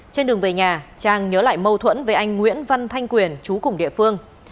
trên đường về nhà trang nhớ lại mâu thuẫn với anh nguyễn văn thanh quyền chú cùng địa phương